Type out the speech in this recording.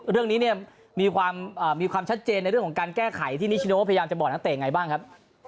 เรื่องนี้เนี่ยมีความชัดเจนในเรื่องของการแก้ไขที่นิชโนพยายามจะบอกนักเตะยังไงบ้างครับ